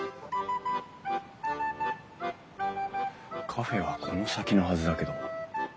カフェはこの先のはずだけど。